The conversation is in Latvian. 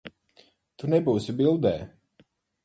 Tu nebūsi bildē.